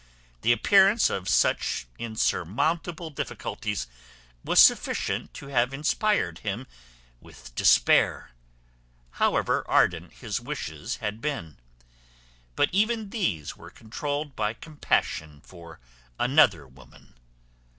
The appearance of such unsurmountable difficulties was sufficient to have inspired him with despair, however ardent his wishes had been; but even these were contruoled by compassion for another woman.